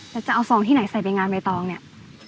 แล้วจะเอาฟองที่ไหนใส่ไปงานใบตองเนี่ย